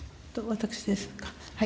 私ですか。